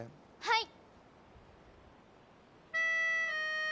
はい！